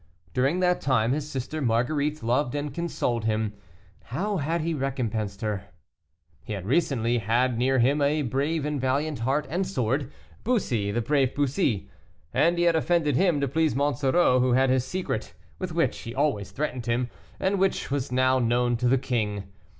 During that time his sister Marguerite loved and consoled him. How had he recompensed her? He had recently had near him a brave and valiant heart and sword Bussy, the brave Bussy. And he had offended him to please Monsoreau, who had his secret, with which he always threatened him, and which was now known to the king.